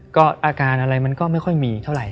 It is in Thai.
ก็อาการอะไรมันก็ไม่ค่อยมีเท่าไหร